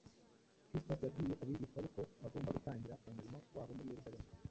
Kristo yabwiye abigishwa be ko bagomba gutangirira umurimo wabo muri Yerusalemu.